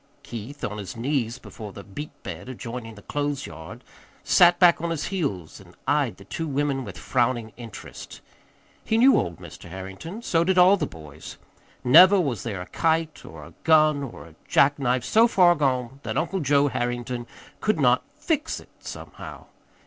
Keith, on his knees before the beet bed adjoining the clothes yard, sat back on his heels and eyed the two women with frowning interest. He knew old Mr. Harrington. So did all the boys. Never was there a kite or a gun or a jack knife so far gone that Uncle Joe Harrington could not "fix it" somehow.